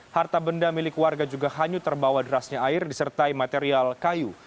harta benda milik warga juga hanyut terbawa derasnya air disertai material kayu